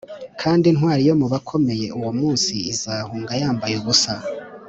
kandi intwari yo mu bakomeye uwo munsi izahunga yambaye ubusa.”